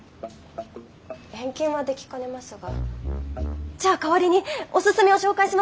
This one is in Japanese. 返金はできかねますがじゃあ代わりにおすすめを紹介しますね。